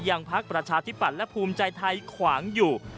พักประชาธิปัตย์และภูมิใจไทยขวางอยู่